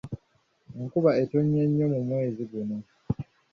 Enkuba etonnye nnyo mu mwezi guno.